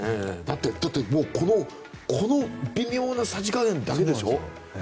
だってこの微妙なさじ加減だけでしょ？